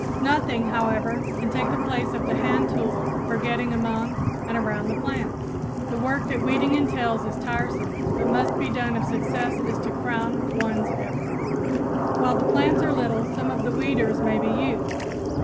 Nothing, however, can take the place of the hand tools for getting among and around the plants. The work that weeding entails is tiresome, but must be done if success is to crown ones efforts. While the plants are little some of the weeders may be used.